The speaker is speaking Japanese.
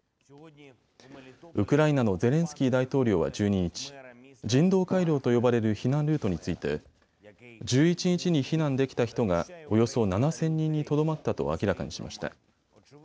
ウクライナのゼレンスキー大統領は１２日、人道回廊と呼ばれる避難ルートについて１１日に避難できた人がおよそ７０００人にとどまったと明らかにしました。